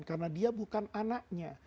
karena dia bukan anaknya